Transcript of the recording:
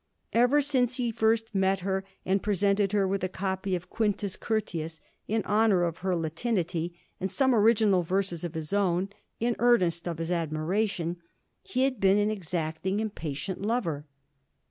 Ever since he first met her and pre sented her with a copy of ' Quintus Curtius,' in honour of her Latinity, and some origmal verses of his own, in earnest of his admiration, he had been an exacting, impatient lover.